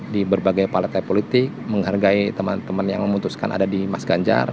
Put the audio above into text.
di berbagai partai politik menghargai teman teman yang memutuskan ada di mas ganjar